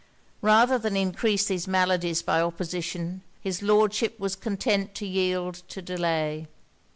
Rather than encrease these maladies by opposition, his Lordship was content to yield to delay.